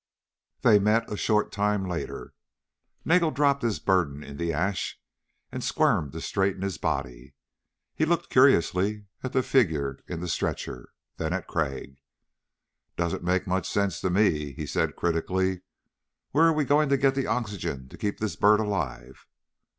They met a short time later. Nagel dropped his burden in the ash and squirmed to straighten his body. He looked curiously at the figure in the stretcher, then at Crag. "Doesn't make much sense to me," he said critically. "Where are we going to get the oxygen to keep this bird alive?"